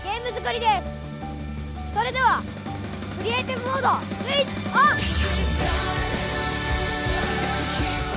それではクリエーティブモードスイッチオン！